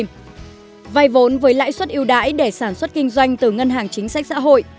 vay vốn với lãi suất yêu đáy để sản xuất kinh doanh từ ngân hàng chính sách xã hội